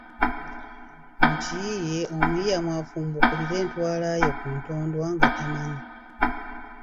Mu kiyiiye omuyiiya mw’afumbukulira entwala ye ku ntondwa nga tamanyi.